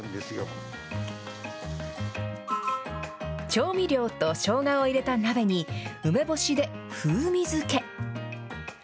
調味料としょうがを入れた鍋に、梅干しで風味付け。